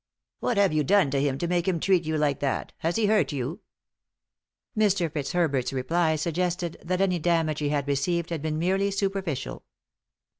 " What have you done to him to make him treat you like that ? Has he hurt you ?" Mr. Fitzherbert's reply suggested that any damage he had received had been merely superficial.